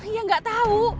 ya gak tau